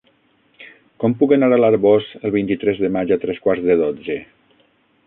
Com puc anar a l'Arboç el vint-i-tres de maig a tres quarts de dotze?